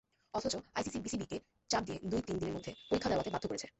অথচ আইসিসি বিসিবিকে চাপ দিয়ে দুই-তিন দিনের মধ্যে পরীক্ষা দেওয়াতে বাধ্য করেছে।